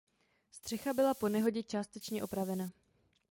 Střecha byla po nehodě částečně opravena.